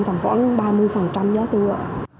chỉ có khoảng ba mươi giá tour